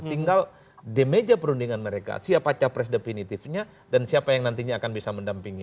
tinggal di meja perundingan mereka siapa capres definitifnya dan siapa yang nantinya akan bisa mendampingi